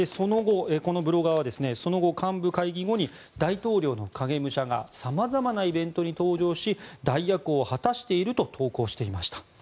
このブロガーはその後、幹部会議後に大統領の影武者が様々なイベントに登場し代役を果たしていると投稿していました。